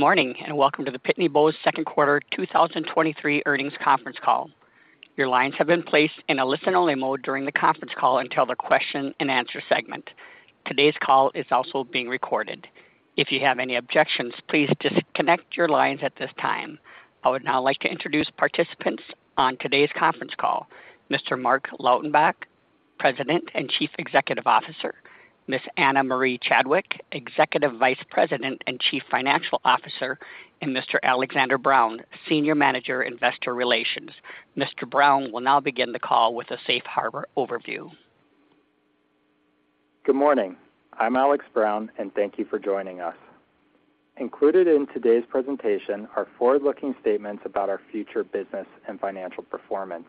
Good morning, welcome to the Pitney Bowes Q2 2023 Earnings Conference Call. Your lines have been placed in a listen-only mode during the conference call until the Q&A segment. Today's call is also being recorded. If you have any objections, please disconnect your lines at this time. I would now like to introduce participants on today's conference call: Mr. Marc Lautenbach, President and Chief Executive Officer; Ms. Ana Maria Chadwick, Executive Vice President and Chief Financial Officer; and Mr. Alexander Brown, Senior Manager, Investor Relations. Mr. Brown will now begin the call with a safe harbor overview. Good morning. I'm Alex Brown, thank you for joining us. Included in today's presentation are forward-looking statements about our future business and financial performance.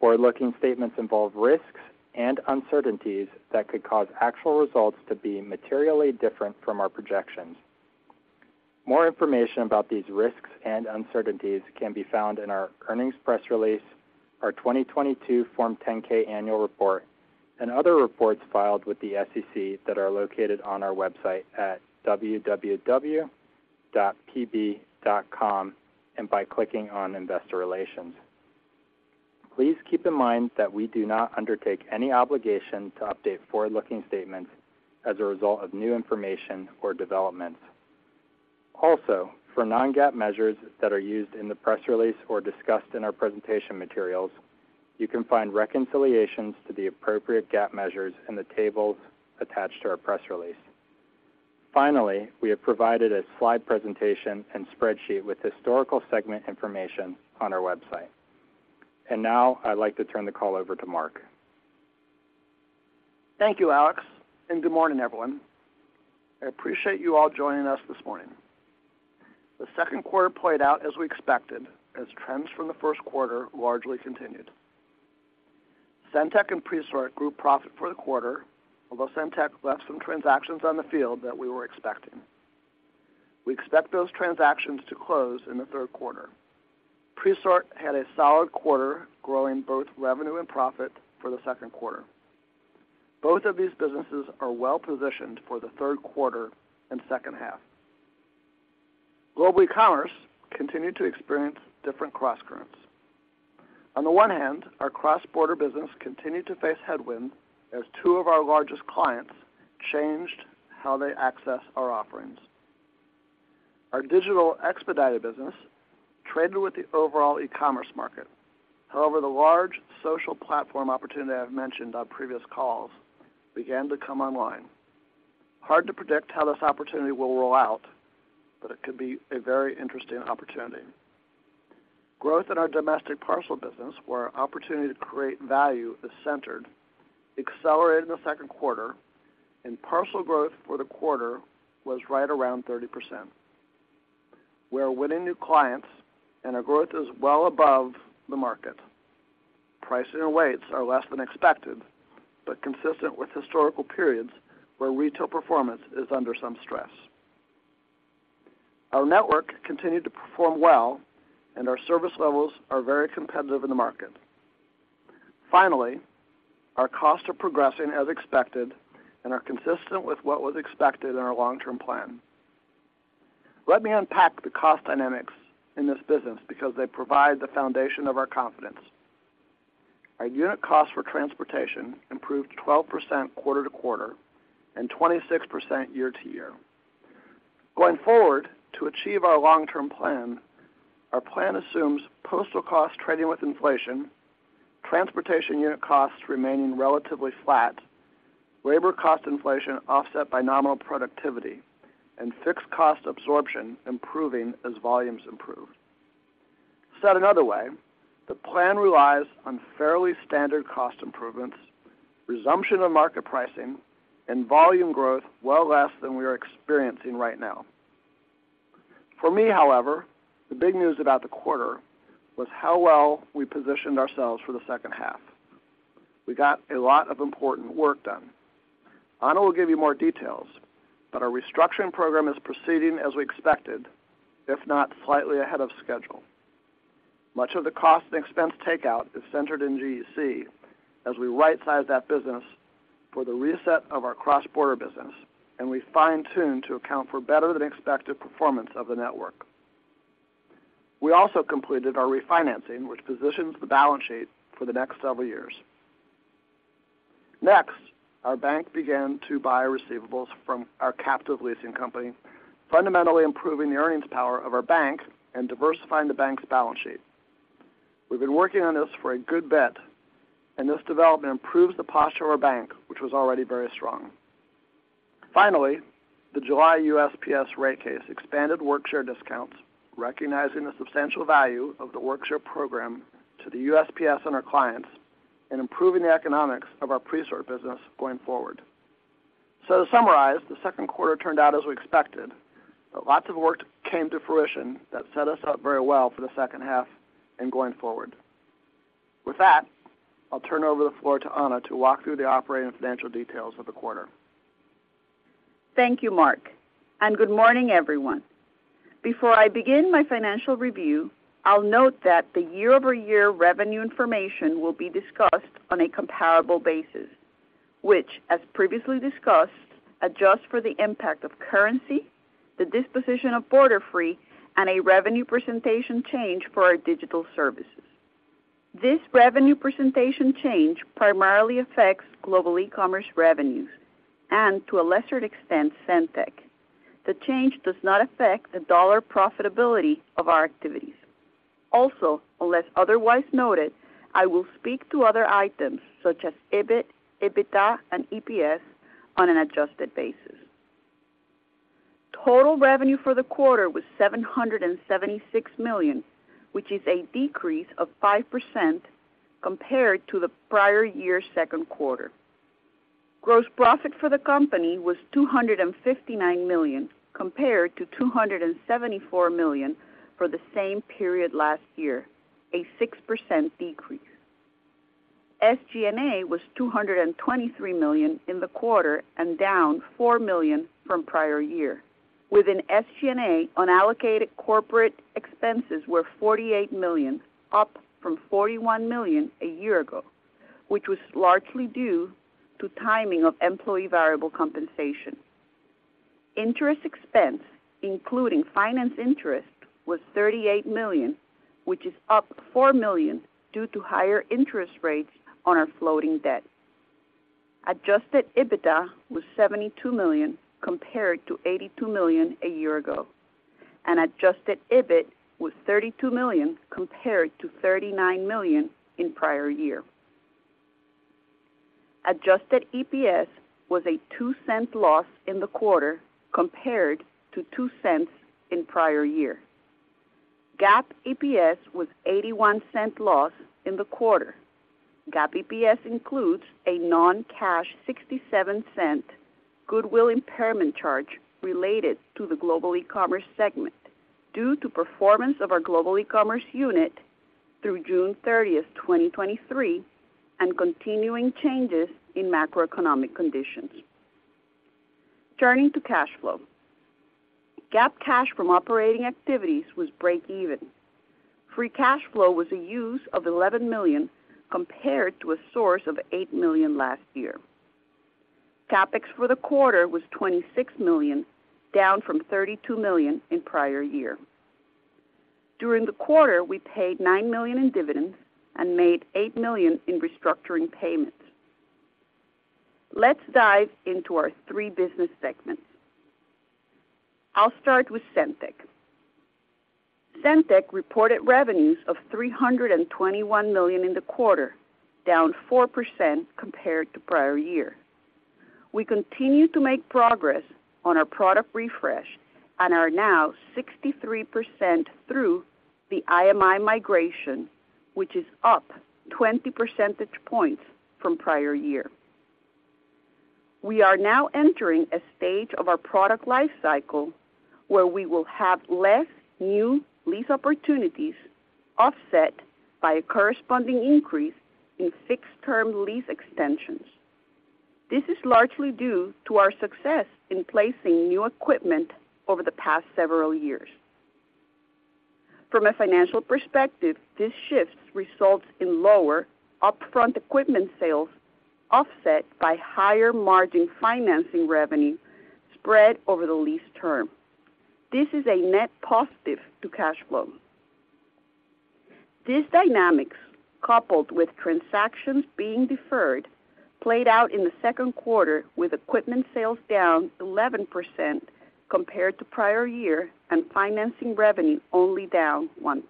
Forward-looking statements involve risks and uncertainties that could cause actual results to be materially different from our projections. More information about these risks and uncertainties can be found in our earnings press release, our 2022 Form 10-K annual report, and other reports filed with the SEC that are located on our website at www.pb.com, and by clicking on Investor Relations. Please keep in mind that we do not undertake any obligation to update forward-looking statements as a result of new information or developments. Also, for non-GAAP measures that are used in the press release or discussed in our presentation materials, you can find reconciliations to the appropriate GAAP measures in the tables attached to our press release. Finally, we have provided a slide presentation and spreadsheet with historical segment information on our website. Now, I'd like to turn the call over to Marc. Thank you, Alex, and good morning, everyone. I appreciate you all joining us this morning. The Q2 played out as we expected, as trends from Q1 largely continued. SendTech and Presort grew profit for the quarter, although SendTech left some transactions on the field that we were expecting. We expect those transactions to close in Q3. Presort had a solid quarter, growing both revenue and profit for Q2. Both of these businesses are well-positioned for Q3 and second half. Global Ecommerce continued to experience different crosscurrents. On the one hand, our cross-border business continued to face headwinds as two of our largest clients changed how they access our offerings. Our digital expedited business traded with the overall e-commerce market. However, the large social platform opportunity I've mentioned on previous calls began to come online. Hard to predict how this opportunity will roll out, but it could be a very interesting opportunity. Growth in our Domestic Parcel business, where our opportunity to create value is centered, accelerated in Q2, and parcel growth for the quarter was right around 30%. We are winning new clients, and our growth is well above the market. Pricing and weights are less than expected, but consistent with historical periods where retail performance is under some stress. Our network continued to perform well, and our service levels are very competitive in the market. Finally, our costs are progressing as expected and are consistent with what was expected in our long-term plan. Let me unpack the cost dynamics in this business because they provide the foundation of our confidence. Our unit costs for transportation improved 12% quarter-to-quarter and 26% year-to-year. Going forward, to achieve our long-term plan, our plan assumes postal costs trading with inflation, transportation unit costs remaining relatively flat, labor cost inflation offset by nominal productivity, and fixed cost absorption improving as volumes improve. Said another way, the plan relies on fairly standard cost improvements, resumption of market pricing, and volume growth well less than we are experiencing right now. For me, however, the big news about the quarter was how well we positioned ourselves for the second half. We got a lot of important work done. Ana will give you more details, our restructuring program is proceeding as we expected, if not slightly ahead of schedule. Much of the cost and expense takeout is centered in GEC, as we rightsize that business for the reset of our cross-border business, and we fine-tune to account for better-than-expected performance of the network. We also completed our refinancing, which positions the balance sheet for the next several years. Our bank began to buy receivables from our captive leasing company, fundamentally improving the earnings power of our bank and diversifying the bank's balance sheet. We've been working on this for a good bit, and this development improves the posture of our bank, which was already very strong. The July USPS rate case expanded Workshare discounts, recognizing the substantial value of the Workshare program to the USPS and our clients, and improving the economics of our Presort business going forward. To summarize, Q2 turned out as we expected, but lots of work came to fruition that set us up very well for the second half and going forward. With that, I'll turn over the floor to Ana to walk through the operating and financial details of the quarter. Thank you, Marc. Good morning, everyone. Before I begin my financial review, I'll note that the year-over-year revenue information will be discussed on a comparable basis.... which, as previously discussed, adjusts for the impact of currency, the disposition of Borderfree, and a revenue presentation change for our Digital Services. This revenue presentation change primarily affects Global Ecommerce revenues and, to a lesser extent, SendTech. The change does not affect the dollar profitability of our activities. Also, unless otherwise noted, I will speak to other items, such as EBIT, EBITDA, and EPS, on an adjusted basis. Total revenue for the quarter was $776 million, which is a decrease of 5% compared to the prior year's Q2. Gross profit for the company was $259 million, compared to $274 million for the same period last year, a 6% decrease. SG&A was $223 million in the quarter, and down $4 million from prior year. Within SG&A, unallocated corporate expenses were $48 million, up from $41 million a year ago, which was largely due to timing of employee variable compensation. Interest expense, including finance interest, was $38 million, which is up $4 million due to higher interest rates on our floating debt. Adjusted EBITDA was $72 million, compared to $82 million a year ago, and adjusted EBIT was $32 million, compared to $39 million in prior year. Adjusted EPS was a $0.02 loss in the quarter, compared to $0.02 in prior year. GAAP EPS was $0.81 loss in the quarter. GAAP EPS includes a non-cash $0.67 goodwill impairment charge related to the Global Ecommerce segment, due to performance of our Global Ecommerce unit through June 30, 2023, and continuing changes in macroeconomic conditions. Turning to cash flow. GAAP cash from operating activities was break even. Free cash flow was a use of $11 million, compared to a source of $8 million last year. CapEx for the quarter was $26 million, down from $32 million in prior year. During the quarter, we paid $9 million in dividends and made $8 million in restructuring payments. Let's dive into our three business segments. I'll start with SendTech. SendTech reported revenues of $321 million in the quarter, down 4% compared to prior year. We continue to make progress on our product refresh and are now 63% through the IMI migration, which is up 20% points from prior year. We are now entering a stage of our product life cycle, where we will have less new lease opportunities, offset by a corresponding increase in fixed-term lease extensions. This is largely due to our success in placing new equipment over the past several years. From a financial perspective, this shift results in lower upfront equipment sales, offset by higher-margin financing revenue spread over the lease term. This is a net positive to cash flow. These dynamics, coupled with transactions being deferred, played out in Q2, with equipment sales down 11% compared to prior year, and financing revenue only down 1%.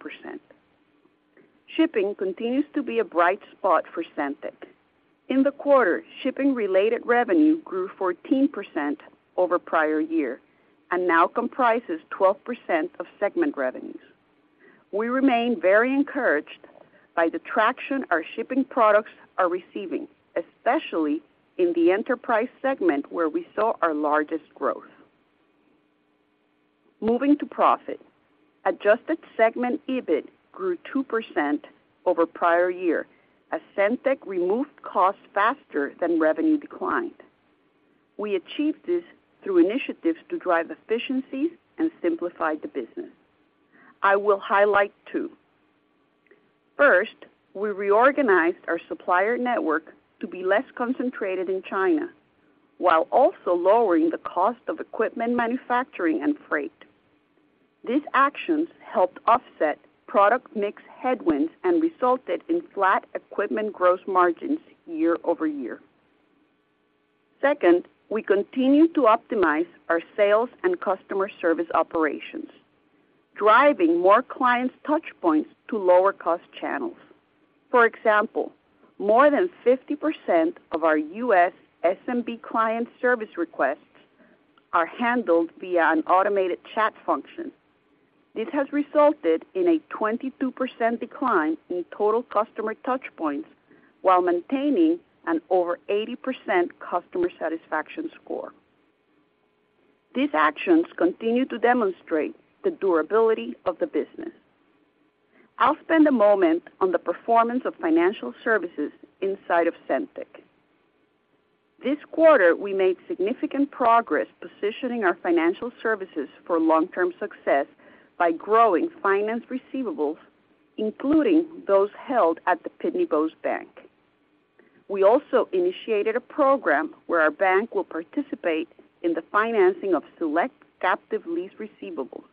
Shipping continues to be a bright spot for SendTech. In the quarter, shipping-related revenue grew 14% over prior year and now comprises 12% of segment revenues. We remain very encouraged by the traction our shipping products are receiving, especially in the enterprise segment, where we saw our largest growth. Moving to profit. Adjusted segment EBIT grew 2% over prior year, as SendTech removed costs faster than revenue declined. We achieved this through initiatives to drive efficiencies and simplify the business. I will highlight two. First, we reorganized our supplier network to be less concentrated in China, while also lowering the cost of equipment manufacturing and freight. These actions helped offset product mix headwinds and resulted in flat equipment gross margins year-over-year. Second, we continue to optimize our sales and customer service operations, driving more clients' touchpoints to lower-cost channels. For example, more than 50% of our US SMB client service requests are handled via an automated chat function. This has resulted in a 22% decline in total customer touchpoints while maintaining an over 80% customer satisfaction score. These actions continue to demonstrate the durability of the business. I'll spend a moment on the performance of financial services inside of SendTech. This quarter, we made significant progress positioning our financial services for long-term success by growing finance receivables including those held at the Pitney Bowes Bank. We also initiated a program where our bank will participate in the financing of select captive lease receivables,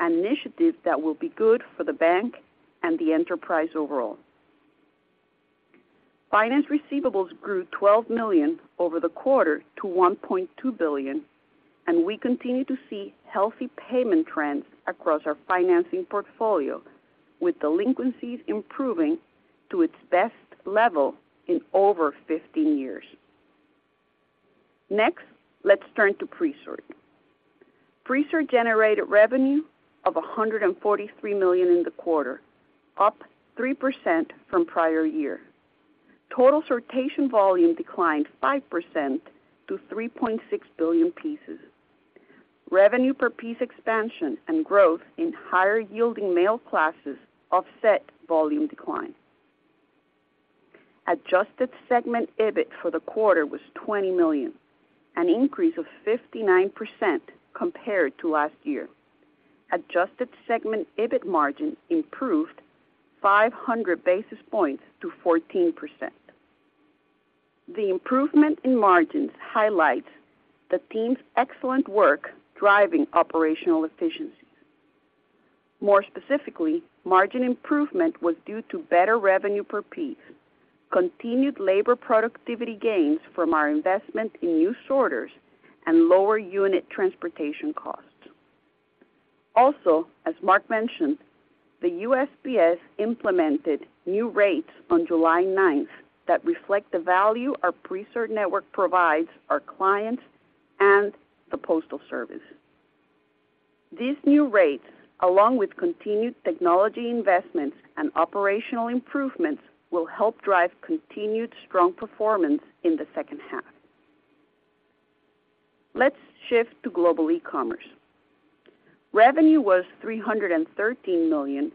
an initiative that will be good for the bank and the enterprise overall. Finance receivables grew $12 million over the quarter to $1.2 billion, We continue to see healthy payment trends across our financing portfolio, with delinquencies improving to its best level in over 15 years. Next, let's turn to Presort. Presort generated revenue of $143 million in the quarter, up 3% from prior year. Total sortation volume declined 5% to 3.6 billion pieces. Revenue per piece expansion and growth in higher-yielding mail classes offset volume decline. Adjusted segment EBIT for the quarter was $20 million, an increase of 59% compared to last year. Adjusted segment EBIT margin improved 500 basis points to 14%. The improvement in margins highlights the team's excellent work driving operational efficiencies. More specifically, margin improvement was due to better revenue per piece, continued labor productivity gains from our investment in new sorters, and lower unit transportation costs. As Marc Lautenbach mentioned, the USPS implemented new rates on July 9th, that reflect the value our Presort network provides our clients and the Postal Service. These new rates, along with continued technology investments and operational improvements, will help drive continued strong performance in the second half. Let's shift to Global Ecommerce. Revenue was $313 million,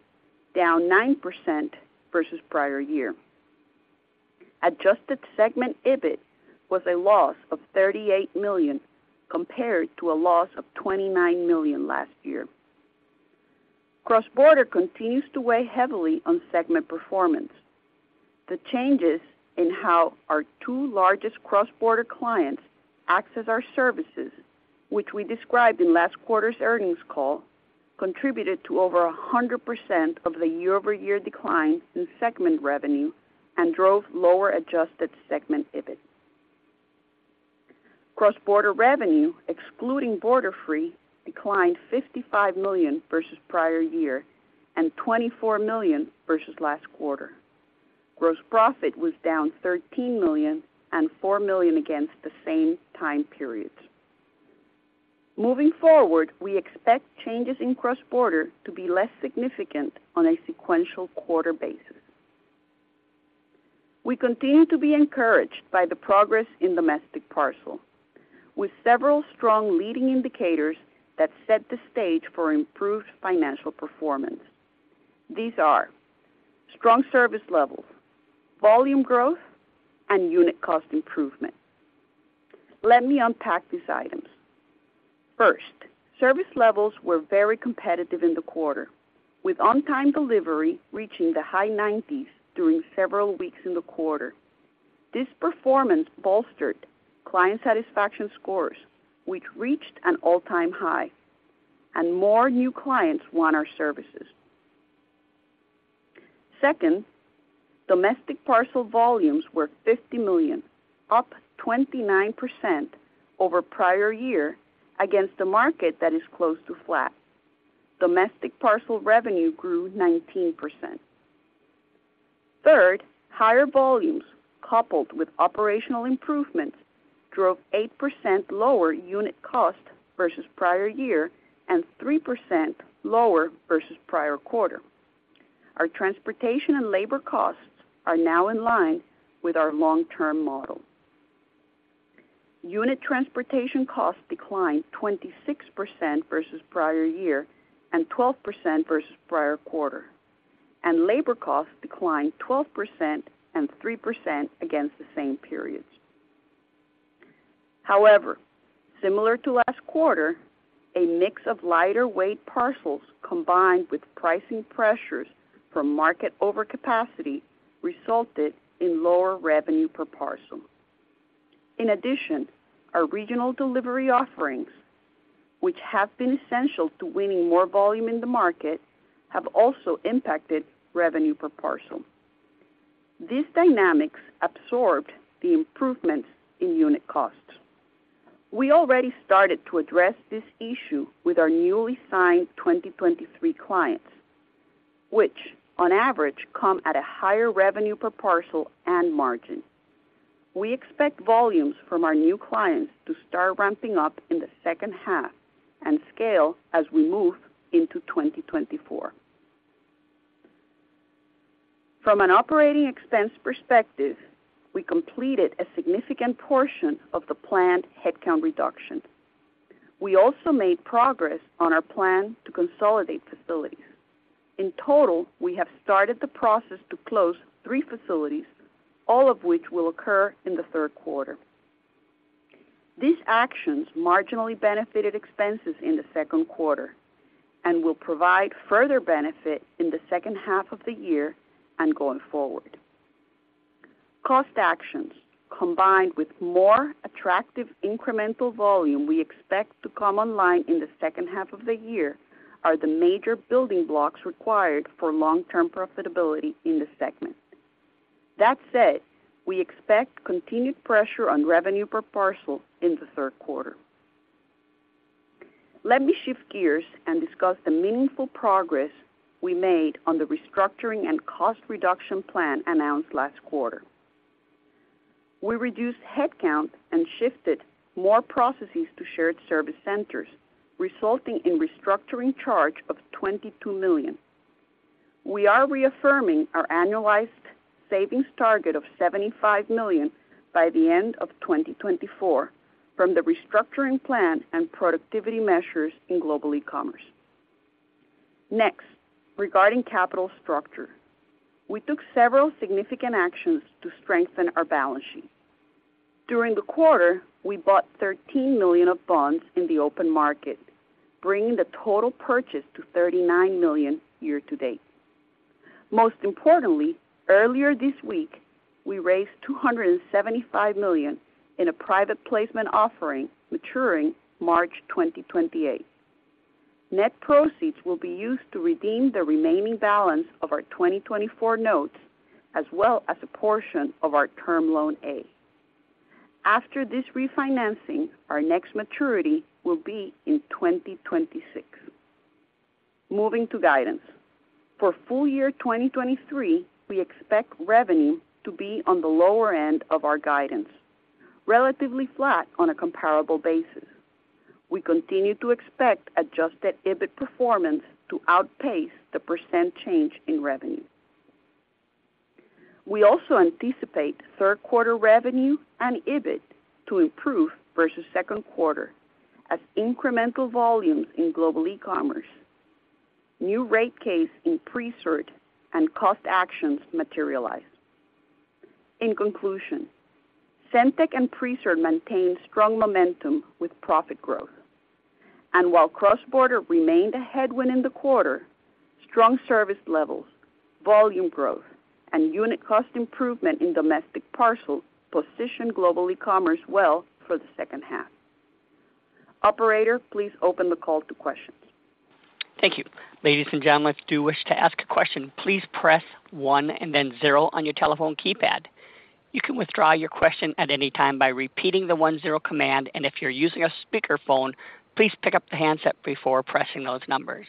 down 9% versus prior year. Adjusted segment EBIT was a loss of $38 million, compared to a loss of $29 million last year. Cross-border continues to weigh heavily on segment performance. The changes in how our two largest cross-border clients access our services, which we described in last quarter's earnings call, contributed to over 100% of the year-over-year decline in segment revenue and drove lower adjusted segment EBIT. Cross-border revenue, excluding Borderfree, declined $55 million versus prior year and $24 million versus last quarter. Gross profit was down $13 million and $4 million against the same time periods. Moving forward, we expect changes in cross-border to be less significant on a sequential quarter basis. We continue to be encouraged by the progress in Domestic Parcel, with several strong leading indicators that set the stage for improved financial performance. These are: strong service levels, volume growth, and unit cost improvement. Let me unpack these items. First, service levels were very competitive in the quarter, with on-time delivery reaching the high 90s during several weeks in the quarter. This performance bolstered client satisfaction scores, which reached an all-time high, and more new clients want our services. Second, Domestic Parcel volumes were $50 million, up 29% over prior year, against a market that is close to flat. Domestic Parcel revenue grew 19%. Third, higher volumes, coupled with operational improvements, drove 8% lower unit cost versus prior year and 3% lower versus prior quarter. Our transportation and labor costs are now in line with our long-term model. Unit transportation costs declined 26% versus prior year and 12% versus prior quarter, and labor costs declined 12% and 3% against the same periods. However, similar to Q1, a mix of lighter-weight parcels, combined with pricing pressures from market overcapacity, resulted in lower revenue per parcel. In addition, our regional delivery offerings, which have been essential to winning more volume in the market, have also impacted revenue per parcel. These dynamics absorbed the improvements in unit costs. We already started to address this issue with our newly signed 2023 clients, which on average, come at a higher revenue per parcel and margin. We expect volumes from our new clients to start ramping up in the second half and scale as we move into 2024. From an operating expense perspective, we completed a significant portion of the planned headcount reduction. We also made progress on our plan to consolidate facilities. In total, we have started the process to close three facilities, all of which will occur in Q3. These actions marginally benefited expenses in Q2 and will provide further benefit in H2 and going forward. Cost actions, combined with more attractive incremental volume we expect to come online in H2, are the major building blocks required for long-term profitability in the segment. We expect continued pressure on revenue per parcel in Q3. Let me shift gears and discuss the meaningful progress we made on the restructuring and cost reduction plan announced last quarter. We reduced headcount and shifted more processes to shared service centers, resulting in restructuring charge of $22 million. We are reaffirming our annualized savings target of $75 million by the end of 2024 from the restructuring plan and productivity measures in Global Ecommerce. Regarding capital structure. We took several significant actions to strengthen our balance sheet. During the quarter, we bought $13 million of bonds in the open market, bringing the total purchase to $39 million year-to-date. Most importantly, earlier this week, we raised $275 million in a private placement offering maturing March 2028. Net proceeds will be used to redeem the remaining balance of our 2024 notes, as well as a portion of our Term Loan A. After this refinancing, our next maturity will be in 2026. Moving to guidance. For full year 2023, we expect revenue to be on the lower end of our guidance, relatively flat on a comparable basis. We continue to expect adjusted EBIT performance to outpace the % change in revenue. We also anticipate Q3 revenue and EBIT to improve versus Q2 as incremental volumes in Global Ecommerce, new rate case in Presort and cost actions materialize. In conclusion, SendTech and Presort maintained strong momentum with profit growth. While cross-border remained a headwind in the quarter, strong service levels, volume growth, and unit cost improvement in domestic parcels positioned Global Ecommerce well for the second half. Operator, please open the call to questions. Thank you. Ladies and gentlemen, if you do wish to ask a question, please press one and then zero on your telephone keypad. You can withdraw your question at any time by repeating the one-zero command, if you're using a speakerphone, please pick up the handset before pressing those numbers.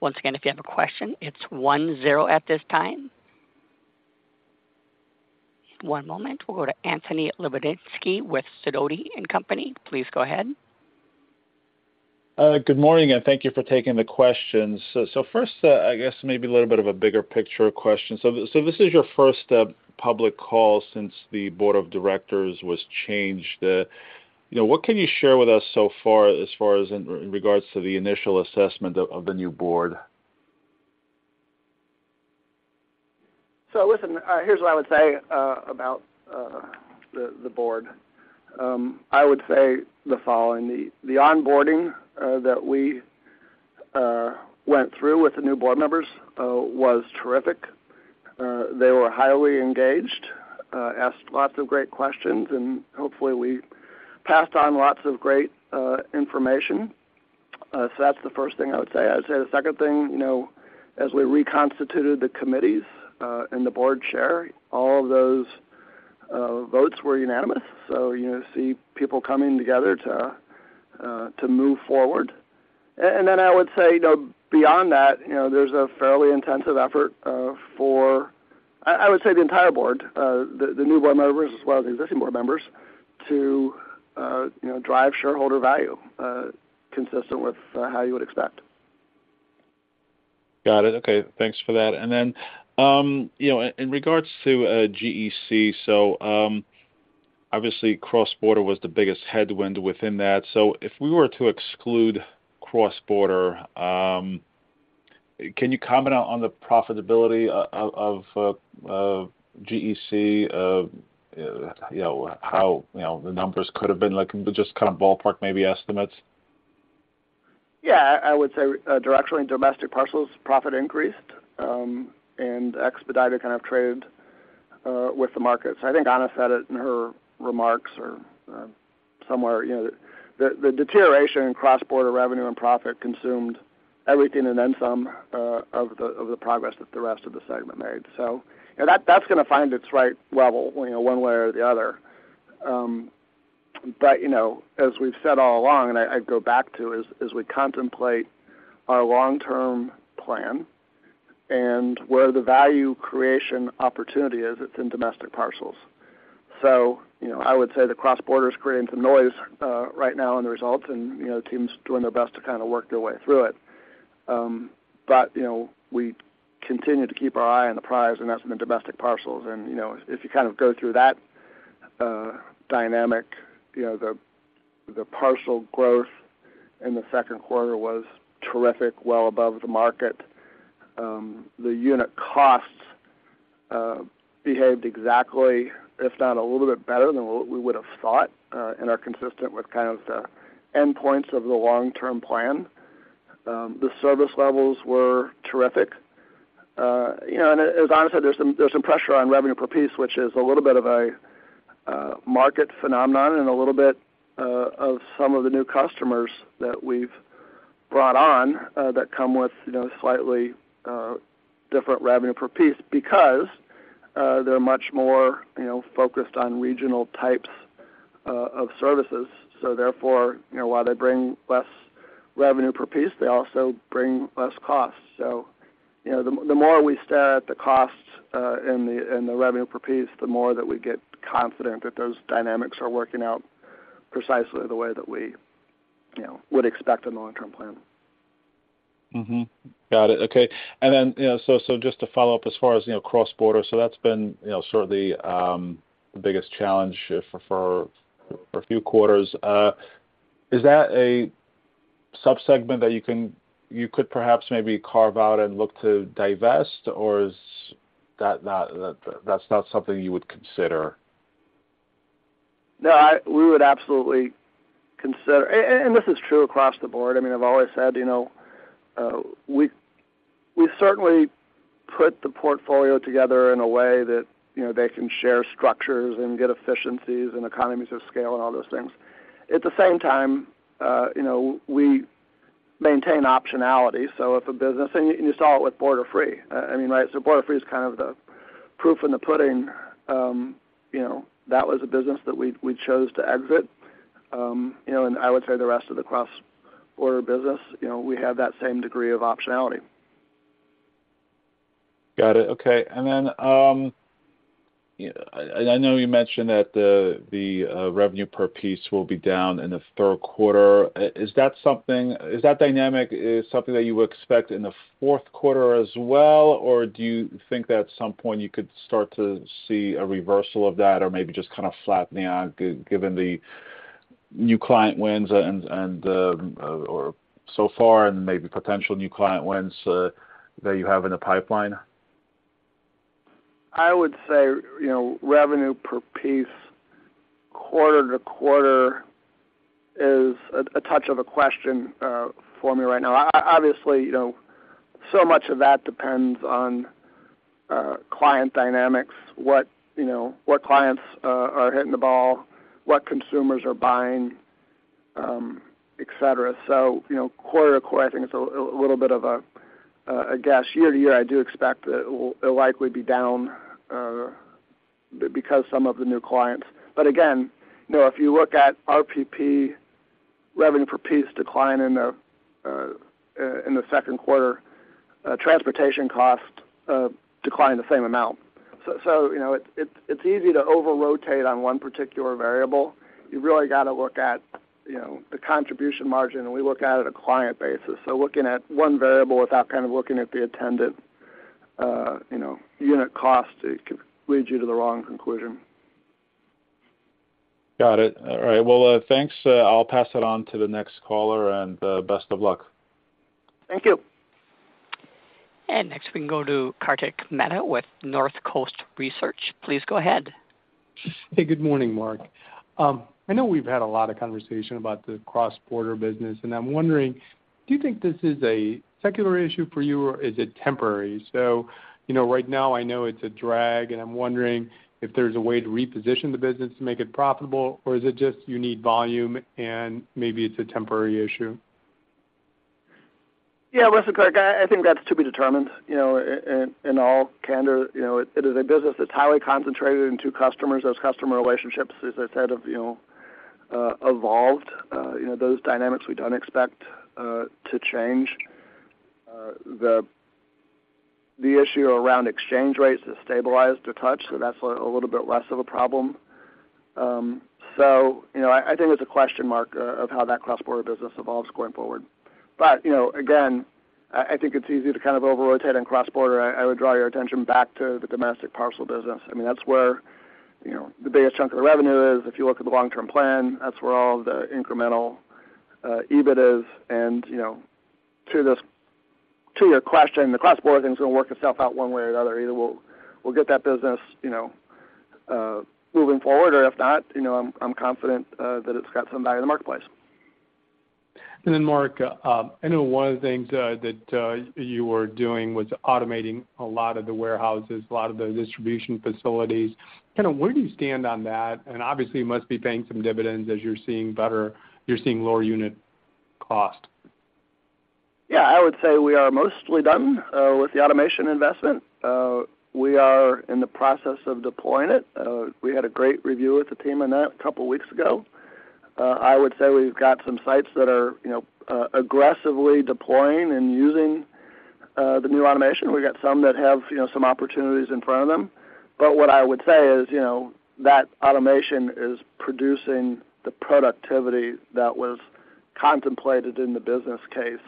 Once again, if you have a question, it's one-zero at this time. One moment. We'll go to Anthony Lebiedzinski with Sidoti and Company. Please go ahead. Good morning, and thank you for taking the questions. First, I guess maybe a little bit of a bigger picture question. This is your first public call since the board of directors was changed. You know, what can you share with us so far as far as in regards to the initial assessment of the new board? Listen, here's what I would say about the, the board. I would say the following: the, the onboarding that we went through with the new board members was terrific. They were highly engaged, asked lots of great questions, and hopefully we passed on lots of great information. That's the first thing I would say. I'd say the second thing, you know, as we reconstituted the committees and the board chair, all of those votes were unanimous. You see people coming together to move forward. Then I would say, you know, beyond that, you know, there's a fairly intensive effort for, I, I would say, the entire board, the, the new board members as well as the existing board members, to, you know, drive shareholder value, consistent with, how you would expect. Got it. Okay. Thanks for that. You know, in, in regards to, GEC, obviously, cross-border was the biggest headwind within that. If we were to exclude cross-border, can you comment on, on the profitability of, of, of GEC? You know, how, you know, the numbers could have been looking, but just kind of ballpark, maybe estimates. Yeah, I would say, directionally, domestic parcels profit increased, and expedited kind of trade with the market. I think Ana said it in her remarks or somewhere, you know, the, the deterioration in cross-border revenue and profit consumed everything and then some of the, of the progress that the rest of the segment made. That, that's gonna find its right level, you know, one way or the other. You know, as we've said all along, and I, I go back to, is, as we contemplate our long-term plan and where the value creation opportunity is, it's in domestic parcels. You know, I would say the cross-border is creating some noise right now in the results and, you know, the team's doing their best to kind of work their way through it. You know, we continue to keep our eye on the prize, and that's in the domestic parcels. You know, if you kind of go through that dynamic, you know, the, the parcel growth in Q2 was terrific, well above the market. The unit costs behaved exactly, if not a little bit better than what we would have thought, and are consistent with kind of the endpoints of the long-term plan. The service levels were terrific. You know, as I said, there's some, there's some pressure on revenue per piece, which is a little bit of a market phenomenon and a little bit of some of the new customers that we've brought on, that come with, you know, slightly different revenue per piece because they're much more, you know, focused on regional types of services. Therefore, you know, while they bring less revenue per piece, they also bring less cost. You know, the, the more we set the costs, and the, and the revenue per piece, the more that we get confident that those dynamics are working out precisely the way that we, you know, would expect in the long-term plan. Got it. Okay. You know, just to follow up, as far as, you know, cross-border, that's been, you know, sort of the biggest challenge for a few quarters. Is that a sub-segment that you could perhaps maybe carve out and look to divest, or is that not, that's not something you would consider? No, I... We would absolutely consider, and, and this is true across the board. I mean, I've always said, you know, we, we certainly put the portfolio together in a way that, you know, they can share structures and get efficiencies and economies of scale and all those things. At the same time, you know, we maintain optionality, so if a business, and you saw it with Borderfree, I mean, right, so Borderfree is kind of the proof in the pudding. You know, that was a business that we, we chose to exit. You know, I would say the rest of the cross-border business, you know, we have that same degree of optionality. Got it. Okay. I, I know you mentioned that the, the revenue per piece will be down in Q3. Is that something, is that dynamic, is something that you would expect in Q4 as well? Or do you think that at some point you could start to see a reversal of that or maybe just kind of flattening out, given the new client wins and, and, or so far, and maybe potential new client wins that you have in the pipeline? I would say, you know, revenue per piece, quarter to quarter is a, a touch of a question for me right now. Obviously, you know, so much of that depends on client dynamics, what, you know, what clients are hitting the ball, what consumers are buying, et cetera. you know, quarter to quarter, I think it's a little bit of a guess. Year to year, I do expect that it will, it'll likely be down because of some of the new clients. Again, you know, if you look at RPP, revenue per piece declined in Q2, and transportation costs declined the same amount. so, you know, it's, it's easy to over-rotate on one particular variable. You really got to look at, you know, the contribution margin, and we look at it a client basis. Looking at one variable without kind of looking at the attendant, you know, unit cost, it could lead you to the wrong conclusion. Got it. All right. Well, thanks. I'll pass it on to the next caller, and, best of luck. Thank you. Next, we can go to Kartik Mehta with Northcoast Research. Please go ahead. Hey, good morning, Marc. I know we've had a lot of conversation about the cross-border business, and I'm wondering, do you think this is a secular issue for you, or is it temporary? You know, right now I know it's a drag, and I'm wondering if there's a way to reposition the business to make it profitable, or is it just you need volume and maybe it's a temporary issue? Yeah, listen, Kartik, I, I think that's to be determined, you know, in, in all candor, you know, it, it is a business that's highly concentrated in two customers. Those customer relationships, as I said, have, you know, evolved. You know, those dynamics we don't expect to change. The, the issue around exchange rates has stabilized a touch, so that's a little bit less of a problem. You know, I, I think it's a question mark of how that cross-border business evolves going forward. You know, again, I, I think it's easy to kind of over-rotate on cross-border. I, I would draw your attention back to the domestic parcel business. I mean, that's where, you know, the biggest chunk of the revenue is. If you look at the long-term plan, that's where all the incremental EBIT is. You know, to this, to your question, the cross-border thing is gonna work itself out one way or another. Either we'll, we'll get that business, you know, moving forward, or if not, you know, I'm, I'm confident that it's got some value in the marketplace. Then, Marc, I know one of the things that you were doing was automating a lot of the warehouses, a lot of the distribution facilities. Kind of where do you stand on that? Obviously, it must be paying some dividends as you're seeing lower unit cost. Yeah, I would say we are mostly done with the automation investment. We are in the process of deploying it. We had a great review with the team on that a couple of weeks ago. I would say we've got some sites that are, you know, aggressively deploying and using the new automation. We've got some that have, you know, some opportunities in front of them. What I would say is, you know, that automation is producing the productivity that was contemplated in the business case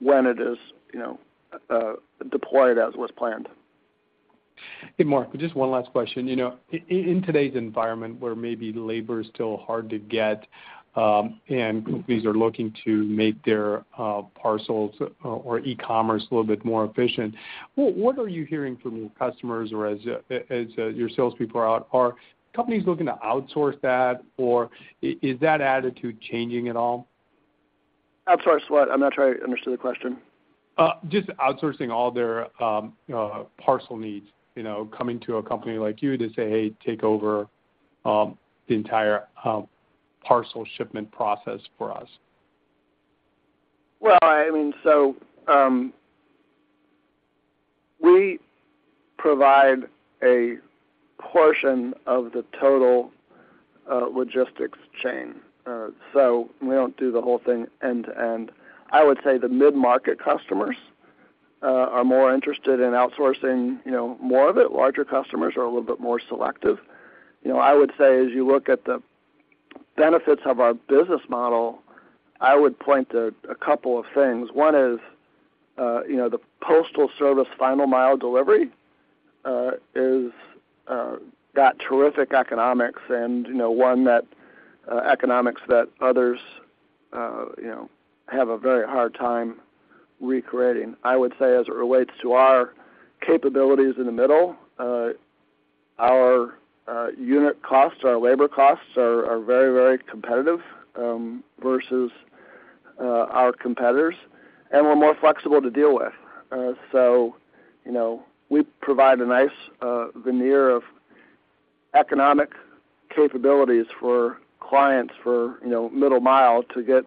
when it is, you know, deployed as was planned.... Hey, Marc, just one last question. You know, in today's environment, where maybe labor is still hard to get, and companies are looking to make their parcels or e-commerce a little bit more efficient, what are you hearing from your customers or as, as, your salespeople are out? Are companies looking to outsource that, or is that attitude changing at all? Outsource what? I'm not sure I understood the question. Just outsourcing all their parcel needs, you know, coming to a company like you to say, "Hey, take over the entire parcel shipment process for us. Well, I mean, we provide a portion of the total logistics chain. We don't do the whole thing end to end. I would say the mid-market customers are more interested in outsourcing, you know, more of it. Larger customers are a little bit more selective. You know, I would say, as you look at the benefits of our business model, I would point to a couple of things. One is, you know, the Postal Service final mile delivery is got terrific economics and, you know, one that economics that others, you know, have a very hard time recreating. I would say, as it relates to our capabilities in the middle, our unit costs, our labor costs are very, very competitive versus our competitors, and we're more flexible to deal with. You know, we provide a nice, veneer of economic capabilities for clients for, you know, middle mile to get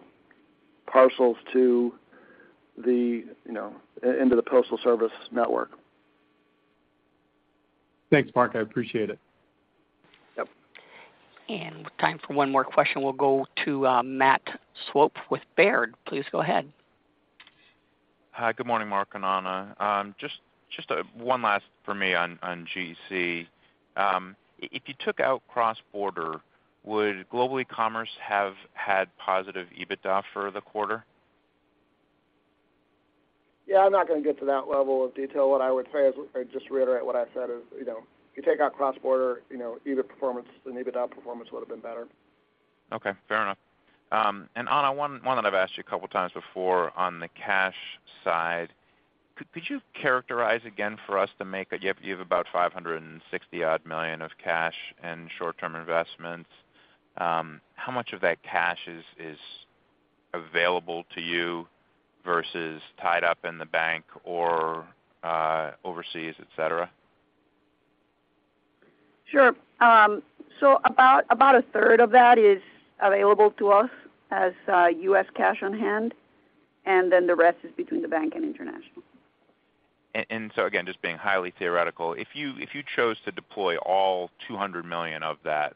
parcels to the, you know, into the Postal Service network. Thanks, Marc. I appreciate it. Yep. Time for one more question. We'll go to Matt Swope with Baird. Please go ahead. Hi. Good morning, Marc and Ana. Just, just, one last for me on, on GEC. If you took out cross-border, would Global Ecommerce have had positive EBITDA for the quarter? I'm not gonna get to that level of detail. What I would say is, or just reiterate what I said, is, you know, if you take out cross-border, you know, EBITDA performance, the EBITDA performance would have been better. Okay, fair enough. Ana, one, one that I've asked you a couple times before on the cash side, could, could you characterize again for us the make-up? You have, you have about $560 million of cash and short-term investments. How much of that cash is, is available to you versus tied up in the bank or, overseas, et cetera? Sure. About, about 1/3 of that is available to us as U.S. cash on hand, then the rest is between the bank and international. So again, just being highly theoretical, if you chose to deploy all $200 million of that,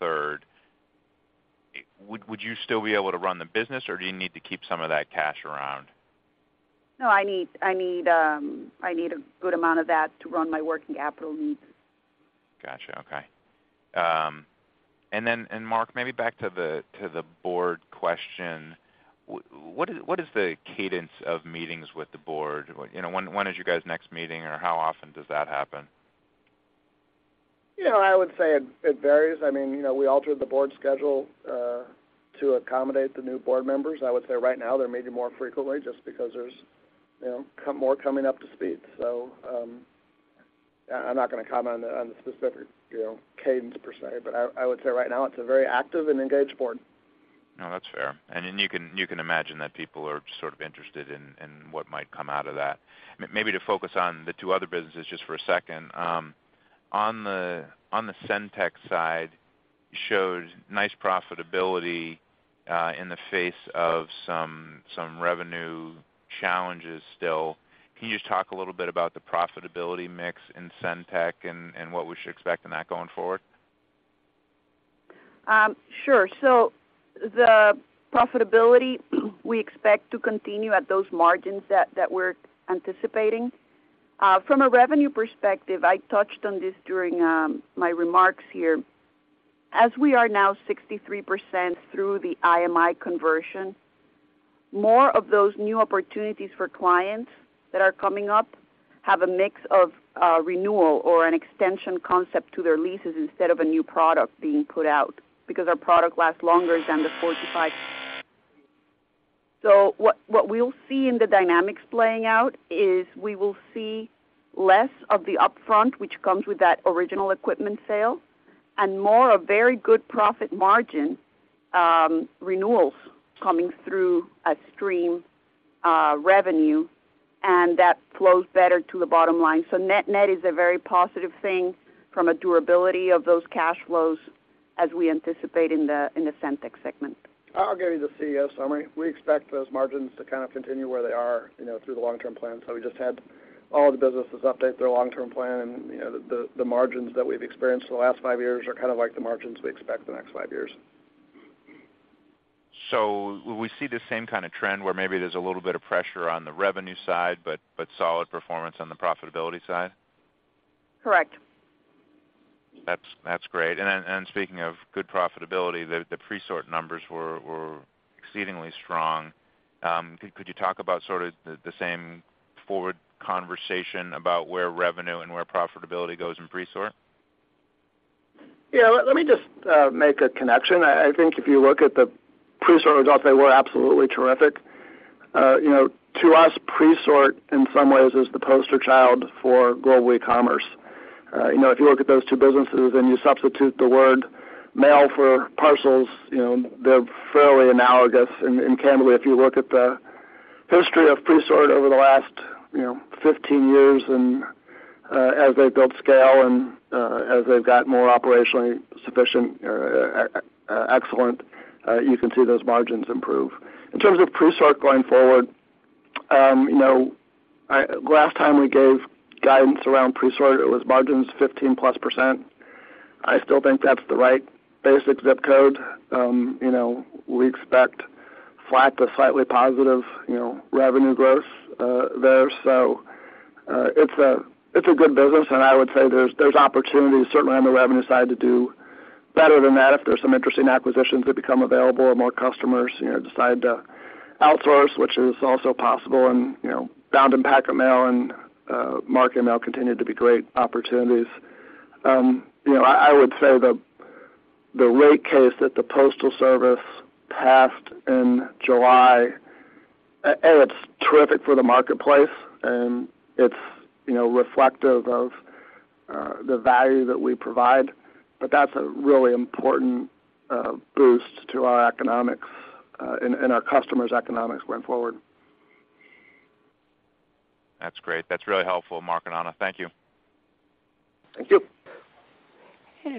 third, would you still be able to run the business, or do you need to keep some of that cash around? No, I need, I need, I need a good amount of that to run my working capital needs. Gotcha. Okay. Marc, maybe back to the board question. What is the cadence of meetings with the board? You know, when, when is your guys' next meeting, or how often does that happen? You know, I would say it, it varies. I mean, you know, we altered the board schedule to accommodate the new board members. I would say right now, they're maybe more frequently just because there's, you know, more coming up to speed. I, I'm not gonna comment on the, on the specific, you know, cadence per se, but I, I would say right now, it's a very active and engaged board. No, that's fair. You can, you can imagine that people are sort of interested in, in what might come out of that. Maybe to focus on the two other businesses just for a second. On the, on the SendTech side, you showed nice profitability, in the face of some, some revenue challenges still. Can you just talk a little bit about the profitability mix in SendTech and, and what we should expect in that going forward? Sure. The profitability, we expect to continue at those margins that we're anticipating. From a revenue perspective, I touched on this during my remarks here. As we are now 63% through the IMI conversion, more of those new opportunities for clients that are coming up have a mix of renewal or an extension concept to their leases instead of a new product being put out, because our product lasts longer. What we'll see in the dynamics playing out is we will see less of the upfront, which comes with that original equipment sale, and more of very good profit margin renewals coming through a stream revenue, and that flows better to the bottom line. net-net is a very positive thing from a durability of those cash flows as we anticipate in the, in the SendTech segment. I'll give you the CEO summary. We expect those margins to kind of continue where they are, you know, through the long-term plan. We just had all the businesses update their long-term plan, and, you know, the, the margins that we've experienced in the last five years are kind of like the margins we expect the next five years. Will we see the same kind of trend, where maybe there's a little bit of pressure on the revenue side, but, but solid performance on the profitability side? Correct. That's, that's great. Speaking of good profitability, the, the Presort numbers were, were exceedingly strong. Could, could you talk about sort of the, the same forward conversation about where revenue and where profitability goes in Presort? Yeah, let, let me just make a connection. I think if you look at the Presort results, they were absolutely terrific. You know, to us, Presort, in some ways, is the poster child for Global Ecommerce. You know, if you look at those two businesses and you substitute the word mail for parcels, you know, they're fairly analogous. Candidly, if you look at the history of Presort over the last, you know, 15 years and as they've built scale and as they've got more operationally sufficient or excellent, you can see those margins improve. In terms of Presort going forward, you know, last time we gave guidance around Presort, it was margins 15%+. I still think that's the right basic ZIP Code. You know, we expect flat to slightly positive, you know, revenue growth there. It's a, it's a good business, and I would say there's, there's opportunity, certainly on the revenue side, to do better than that if there's some interesting acquisitions that become available or more customers, you know, decide to outsource, which is also possible. You know, bound and packet mail and Marketing Mail continue to be great opportunities. You know, I, I would say the, the rate case that the Postal Service passed in July, A, it's terrific for the marketplace, and it's, you know, reflective of the value that we provide, but that's a really important boost to our economics, and our customers' economics going forward. That's great. That's really helpful, Marc and Ana. Thank you. Thank you.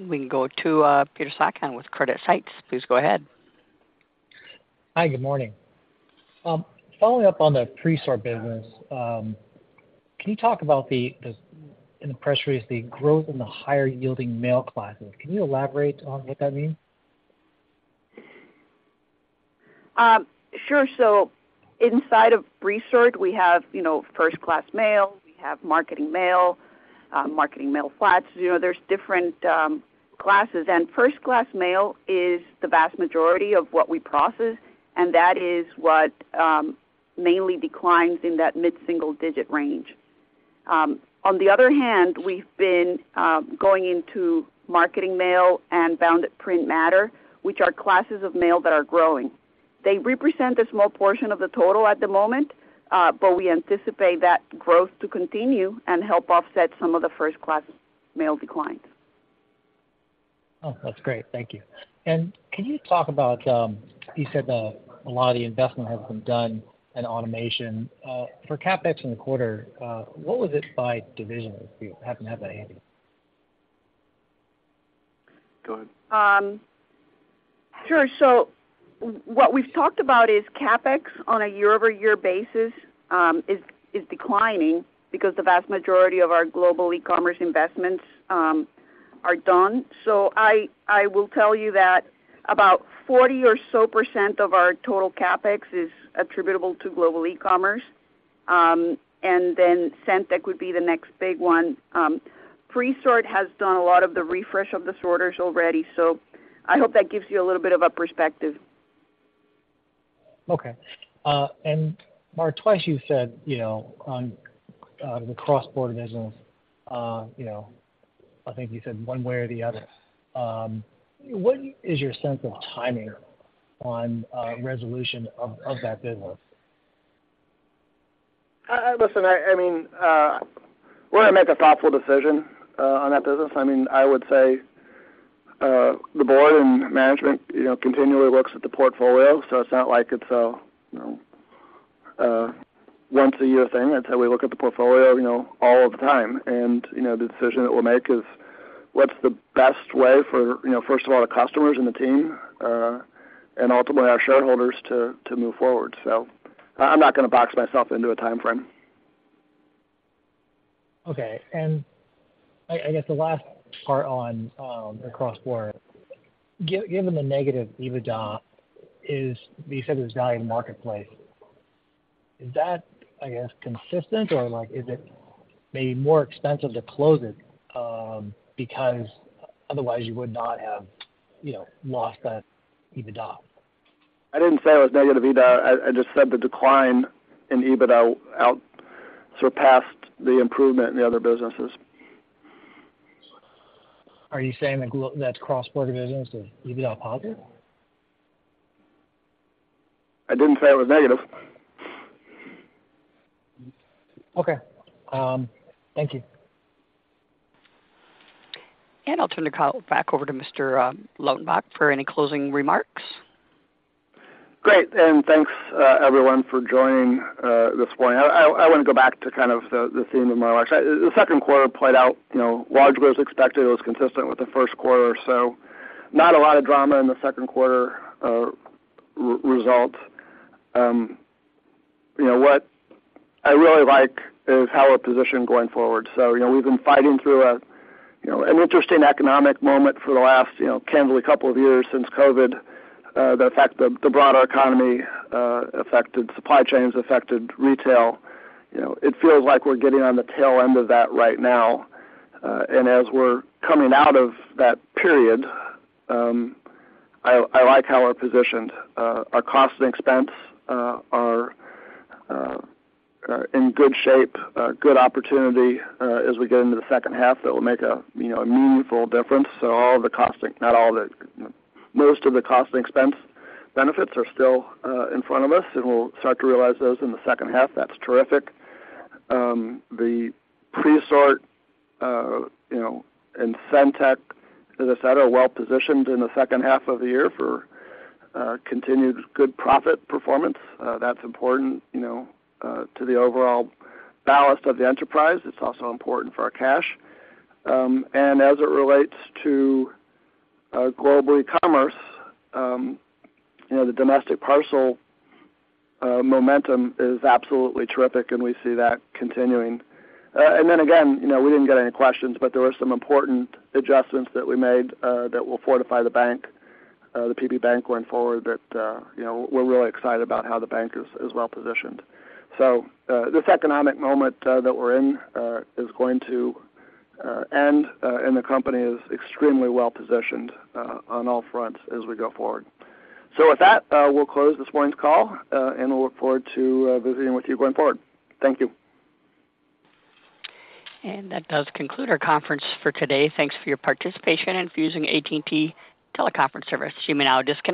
We can go to Peter Sakon with CreditSights. Please go ahead. Hi, good morning. Following up on the Presort business, can you talk about the, the, in the press release, the growth in the higher-yielding mail classes? Can you elaborate on what that means? Sure. Inside of Presort, we have, you know, first-class mail, we have Marketing Mail, Marketing Mail flats. You know, there's different classes, and first-class mail is the vast majority of what we process, and that is what mainly declines in that mid-single-digit range. On the other hand, we've been going into Marketing Mail and Bound Printed Matter, which are classes of mail that are growing. They represent a small portion of the total at the moment, but we anticipate that growth to continue and help offset some of the first-class mail declines. Oh, that's great. Thank you. Can you talk about, you said that a lot of the investment has been done in automation, for CapEx in the quarter, what was it by division, if you happen to have that handy? Go ahead. Sure. What we've talked about is CapEx on a year-over-year basis, is, is declining because the vast majority of our Global Ecommerce investments are done. I, I will tell you that about 40 or so % of our total CapEx is attributable to Global Ecommerce. Then SendTech would be the next big one. Presort has done a lot of the refresh of the sorters already, so I hope that gives you a little bit of a perspective. Okay. Marc, twice you've said, you know, on the cross-border business, you know, I think you said one way or the other. What is your sense of timing on resolution of that business? Listen, I mean, we're gonna make a thoughtful decision on that business. I mean, I would say, the board and management, you know, continually looks at the portfolio, so it's not like it's a, you know, once-a-year thing. That's how we look at the portfolio, you know, all of the time. You know, the decision that we'll make is what's the best way for, you know, first of all, the customers and the team, and ultimately our shareholders to, to move forward. I'm not gonna box myself into a timeframe. Okay. I guess the last part on the cross-border. Given the negative EBITDA, you said there's value in the marketplace. Is that, I guess, consistent, or like, is it maybe more expensive to close it, because otherwise you would not have, you know, lost that EBITDA? I didn't say it was negative EBITDA. I just said the decline in EBITDA out-surpassed the improvement in the other businesses. Are you saying that cross-border business is EBITDA positive? I didn't say it was negative. Okay, thank you. I'll turn the call back over to Mr. Lautenbach for any closing remarks. Great, thanks, everyone, for joining this morning. I, I, I want to go back to kind of the, the theme of my life. The Q2 played out, you know, largely as expected. It was consistent with Q1, so not a lot of drama in Q2 result. You know, what I really like is how we're positioned going forward. You know, we've been fighting through a, you know, an interesting economic moment for the last, you know, candidly, couple of years since COVID. The effect, the, the broader economy, affected supply chains, affected retail. You know, it feels like we're getting on the tail end of that right now. As we're coming out of that period, I, I like how we're positioned. Our cost and expense are in good shape, good opportunity, as we get into the second half, that will make a, you know, a meaningful difference. All of the costing, not all the, you know, most of the cost and expense benefits are still in front of us, and we'll start to realize those in the second half. That's terrific. The Presort, you know, and SendTech, as I said, are well positioned in H2 for continued good profit performance. That's important, you know, to the overall ballast of the enterprise. It's also important for our cash. As it relates to Global Ecommerce, you know, the Domestic Parcel momentum is absolutely terrific, and we see that continuing. Then again, you know, we didn't get any questions, but there were some important adjustments that we made that will fortify the bank, the PB Bank, going forward, that, you know, we're really excited about how the bank is, is well positioned. This economic moment that we're in is going to end, and the company is extremely well positioned on all fronts as we go forward. With that, we'll close this morning's call, and we'll look forward to visiting with you going forward. Thank you. That does conclude our conference for today. Thanks for your participation in using AT&T Teleconference Service. You may now disconnect.